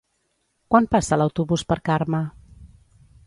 Quan passa l'autobús per Carme?